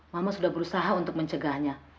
mama sudah berusaha untuk mencegahnya